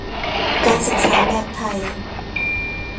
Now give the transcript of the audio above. การศึกษาแบบไทย